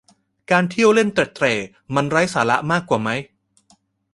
การเที่ยวเล่นเตร็ดเตร่มันไร้สาระมากว่าไหม